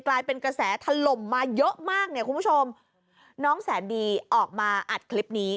กลายเป็นกระแสถล่มมาเยอะมากเนี่ยคุณผู้ชมน้องแสนดีออกมาอัดคลิปนี้